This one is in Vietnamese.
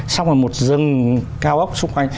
xong rồi một rừng cao ốc xung quanh